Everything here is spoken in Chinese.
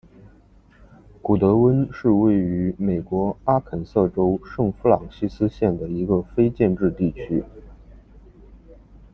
古得温是位于美国阿肯色州圣弗朗西斯县的一个非建制地区。